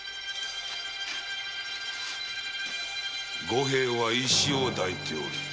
吾平は石を抱いておる。